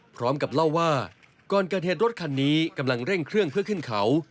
พร้อมกับเล่าว่าก่อนเกิดเหตุรถคันนี้กำลังเร่งเครื่องเพื่อขึ้นเขา